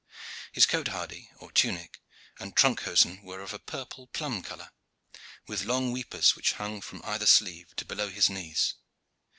His cote hardie, or tunic, and trunk hosen were of a purple plum color, with long weepers which hung from either sleeve to below his knees.